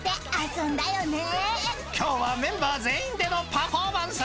［今日はメンバー全員でのパフォーマンス］